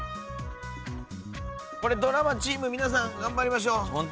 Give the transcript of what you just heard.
ドラマチーム皆さん頑張りましょう。